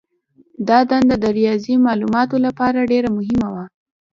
دا دنده د ریاضي مالوماتو لپاره ډېره مهمه وه.